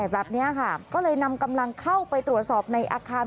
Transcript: แบบนี้ค่ะก็เลยนำกำลังเข้าไปตรวจสอบในอาคาร